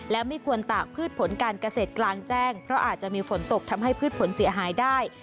และไม่ควรตากพืชผลการเกษตรกลางแจ้งเพราะอาจจะมีฝนตกทำให้พืชผลเสียหายได้